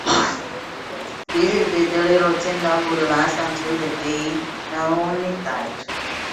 This is the daily routine that would last until the day Nonoi died.